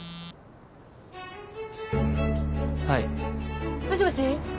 はいもしもし？